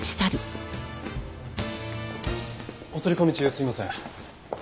お取り込み中すみません。